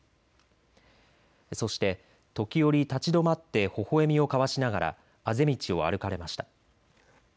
そして時折、立ち止まってほほえみを交わしながらあぜ道を歩かれました。